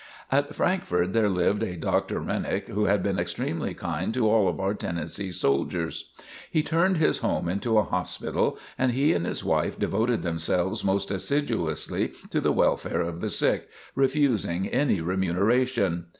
At Frankford there lived a Dr. Renick who had been extremely kind to all of our Tennessee soldiers. He turned his home into a hospital and he and his wife devoted themselves most assiduously to the welfare of the sick, refusing any remuneration.